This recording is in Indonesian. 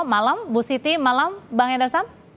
malam bu siti malam bang endarsam